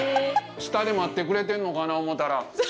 下で待ってくれてんのかな思うたら。